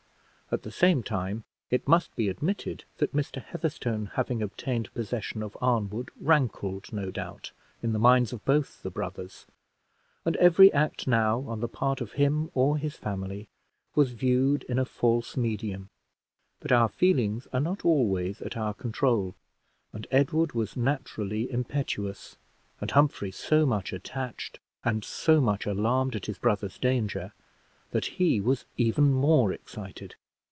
At the same time it must be admitted, that Mr. Heatherstone having obtained possession of Arnwood, rankled, no doubt, in the minds of both the brothers, and every act now, on the part of him or his family, was viewed in a false medium. But our feelings are not always at our control, and Edward was naturally impetuous, and Humphrey so much attached, and so much alarmed at his brother's danger, that he was even more excited.